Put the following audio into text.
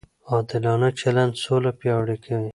عادلانه چلند سوله پیاوړې کوي.